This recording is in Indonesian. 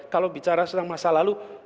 kalau bicara tentang masa lalu